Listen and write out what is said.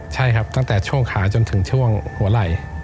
ใช่ครับตั้งแต่ช่วงขาจนถึงช่วงหัวไหล่